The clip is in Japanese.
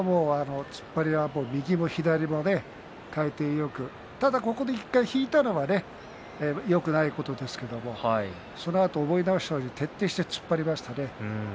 突っ張りは右も左も回転よくただ１回引いたのはよくないことですけれどもそのあと思い直したように徹底して突っ張りましたね。